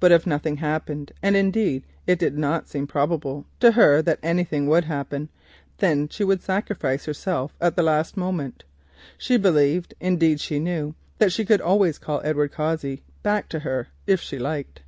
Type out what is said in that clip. But if nothing happened—and indeed it did not seem probable to her that anything would happen—then she would sacrifice herself at the last moment. She believed, indeed she knew, that she could always call Edward Cossey back to her if she liked.